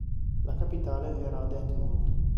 La capitale era a Detmold.